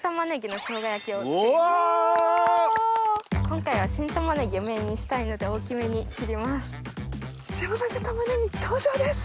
今回は新たまねぎをメインにしたいので大きめに切ります。